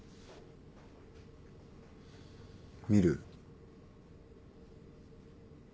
見る？